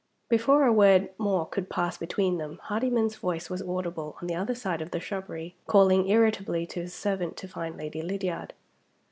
Before a word more could pass between them, Hardyman's voice was audible on the other side of the shrubbery, calling irritably to his servant to find Lady Lydiard.